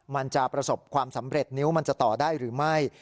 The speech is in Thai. มันจะประสบความสำเร็จนิ้วมันจะต่อได้หรือไม่